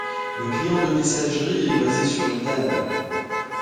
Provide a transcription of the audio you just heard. Le client de messagerie est basé sur une table.